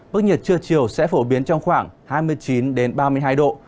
mức nhiệt trưa chiều sẽ phổ biến trong khoảng hai mươi chín ba mươi hai độ